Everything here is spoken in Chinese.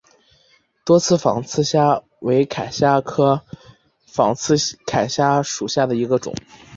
多刺仿刺铠虾为铠甲虾科仿刺铠虾属下的一个种。